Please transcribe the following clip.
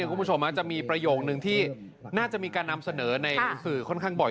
คุณผู้ชมจะมีประโยคนึงที่น่าจะมีการนำเสนอในสื่อค่อนข้างบ่อย